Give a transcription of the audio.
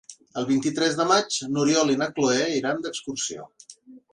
El vint-i-tres de maig n'Oriol i na Cloè iran d'excursió.